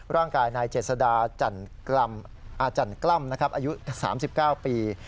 ร่างกายนายเจษดาจันกล้ำนะครับอายุ๓๙ปี